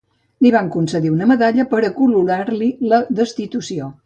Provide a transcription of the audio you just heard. Li van concedir una medalla per acolorar-li la destitució.